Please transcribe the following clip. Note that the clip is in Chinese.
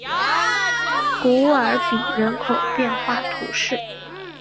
古尔比人口变化图示